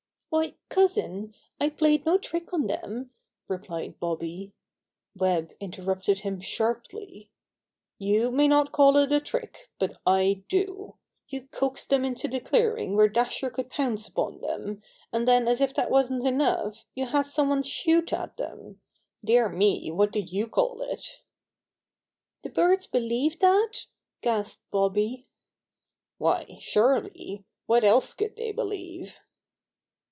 "Why, cousin, I played no trick on them," replied Bobby. Web interrupted him sharply: "You may not call it a trick, but I do. You coaxed them into the clearing where Dasher could pounce upon them, and then as if that wasn't enough you had some one shoot at them. Dear me, what do you call it?" "The birds believe that?" gasped Bobby. Bobby Hears Unpleasant News 85 "Why, surely! What else could they be lieve